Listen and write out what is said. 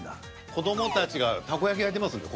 子どもたちがたこ焼き焼いてますね